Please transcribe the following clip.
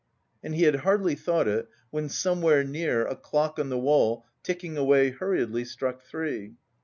And he had hardly thought it when, somewhere near, a clock on the wall, ticking away hurriedly, struck three.